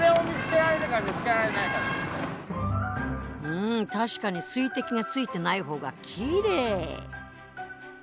うん確かに水滴がついてない方がキレイ！